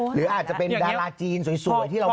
หรืออาจจะเป็นดาราจีนสวยที่เราไม่รู้จัก